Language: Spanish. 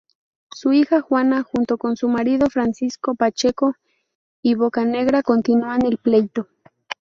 Su hija Juana junto con su marido Francisco Pacheco y Bocanegra continúan el pleito.